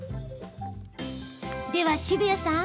では澁谷さん